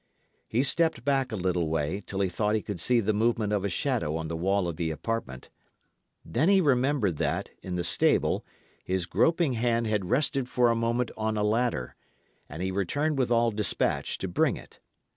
He stepped back a little way, till he thought he could see the movement of a shadow on the wall of the apartment. Then he remembered that, in the stable, his groping hand had rested for a moment on a ladder, and he returned with all despatch to bring it.